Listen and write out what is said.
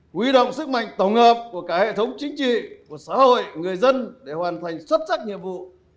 huy động sức mạnh tổng hợp của cả hệ thống chính trị của xã hội người dân để hoàn thành xuất sắc nhiệm vụ